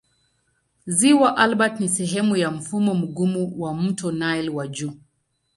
Ziwa Albert ni sehemu ya mfumo mgumu wa mto Nile wa juu.